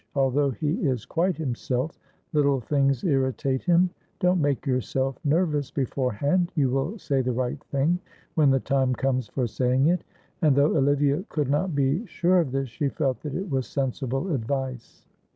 Although he is quite himself, little things irritate him; don't make yourself nervous beforehand; you will say the right thing when the time comes for saying it;" and, though Olivia could not be sure of this, she felt that it was sensible advice.